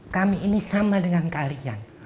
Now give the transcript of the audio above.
kami ini sama dengan kalian